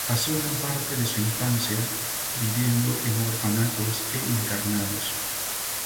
Pasó gran parte de su infancia viviendo en orfanatos e internados.